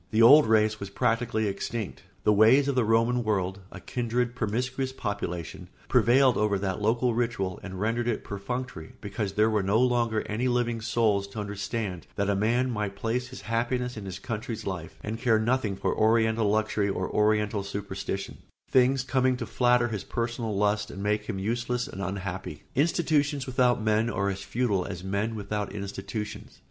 The old race was practically extinct; ephors, gymnasia, and common meals could do nothing to revive it. The ways of the Roman world—a kindred promiscuous population—prevailed over that local ritual and rendered it perfunctory, because there were no longer any living souls to understand that a man might place his happiness in his country's life and care nothing for Oriental luxury or Oriental superstition, things coming to flatter his personal lusts and make him useless and unhappy. Institutions without men are as futile as men without institutions.